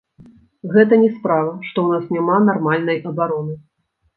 Гэта не справа, што ў нас няма нармальнай абароны.